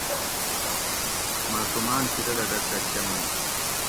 معصوماۤن شیدلہ ڈک ڈک کۤمنت